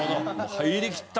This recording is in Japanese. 入りきったと。